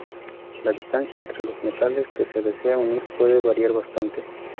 La distancia entre los metales que se desea unir puede variar bastante.